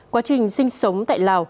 quá trình sinh sống tại lào